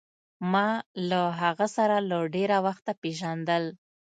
ما له هغه سره له ډېره وخته پېژندل.